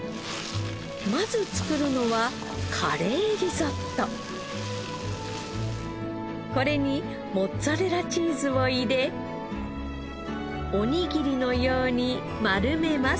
まず作るのはこれにモッツァレラチーズを入れおにぎりのように丸めます。